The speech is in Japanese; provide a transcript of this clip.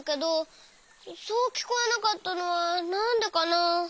そうきこえなかったのはなんでかな？